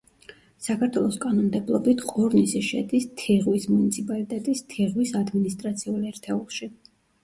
საქართველოს კანონმდებლობით ყორნისი შედის თიღვის მუნიციპალიტეტის თიღვის ადმინისტრაციულ ერთეულში.